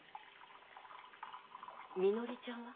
みのりちゃんは？